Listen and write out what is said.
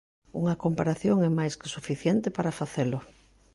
Unha comparación é máis que suficiente para facelo.